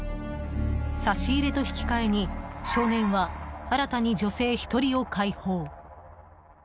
差し入れと引き換えに少年は新たに女性１人を解放。